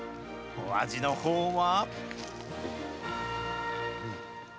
お味のほうは？